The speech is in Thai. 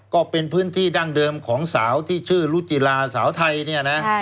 ก็เป็นพื้นที่ดั้งเดิมของสาวที่ชื่อรุจิลาสาวไทยเนี่ยนะ